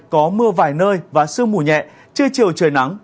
có mưa vài nơi và sương mù nhẹ chưa chiều trời nắng